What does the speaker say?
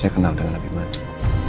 saya kenal dengan nabi maji